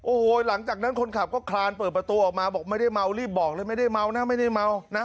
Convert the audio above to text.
โอ้โหหลังจากนั้นคนขับก็คลานเปิดประตูออกมาบอกไม่ได้เมารีบบอกเลยไม่ได้เมานะไม่ได้เมานะ